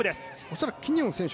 恐らくキニオン選手